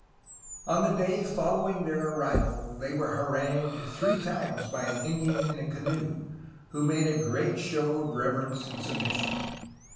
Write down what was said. On the day following their arrival they were harangued three times by an Indian in a canoe, who made a great show of reverence and submission.